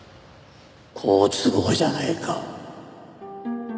好都合じゃないか。